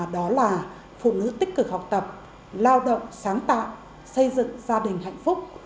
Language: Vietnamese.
đó là phụ nữ tích cực học tập lao động sáng tạo xây dựng gia đình hạnh phúc